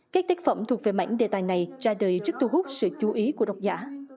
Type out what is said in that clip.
các tác phẩm thuộc về mảnh đề tài này ra đời trước thu hút sự chú ý của độc giả